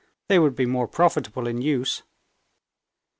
"They would be more profitable in use."